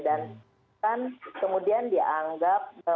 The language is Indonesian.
dan kan kemudian dianggap